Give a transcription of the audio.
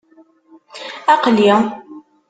Aql-i.